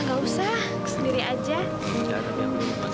gak usah sendiri aja